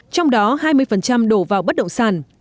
trong đó hai mươi đổ vào bất động sản